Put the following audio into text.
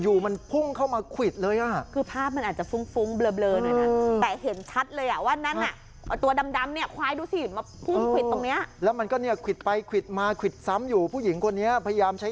ที่นั่งกันอยู่ข้างนี้ฉันว่าคิดเป็นใครต้องไปบอกให้